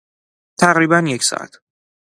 تقریبا یک ساعت